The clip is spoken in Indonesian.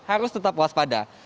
harus tetap waspada